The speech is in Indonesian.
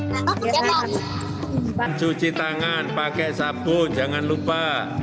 jangan lupa cuci tangan pakai sabun jangan lupa